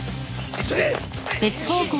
急げ！